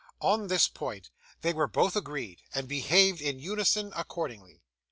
On this point they were both agreed, and behaved in unison accordingly.